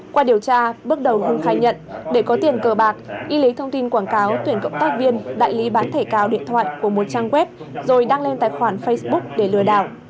qua điều tra bước đầu hưng khai nhận để có tiền cờ bạc y lấy thông tin quảng cáo tuyển cộng tác viên đại lý bán thẻ cào điện thoại của một trang web rồi đăng lên tài khoản facebook để lừa đảo